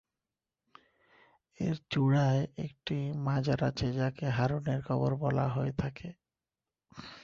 এর চূড়ায় একটি মাজার আছে যাকে হারুনের কবর বলা হয়ে থাকে।